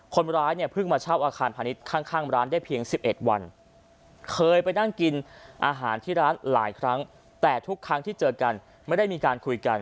คนร้ายเนี่ยเพิ่งมาเช่าอาคารพาณิชย์ข้างร้านได้เพียง๑๑วันเคยไปนั่งกินอาหารที่ร้านหลายครั้งแต่ทุกครั้งที่เจอกันไม่ได้มีการคุยกัน